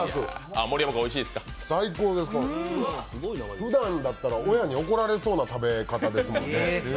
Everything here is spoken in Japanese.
最高です、ふだんだったら親に怒られそうな食べ方ですもんね。